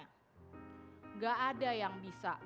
enggak ada yang bisa